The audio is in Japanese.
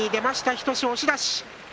日翔志、押し出し。